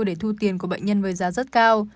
để thu tiền của bệnh nhân với giá rất cao